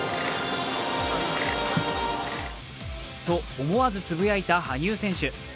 と思わずつぶやいた羽生選手。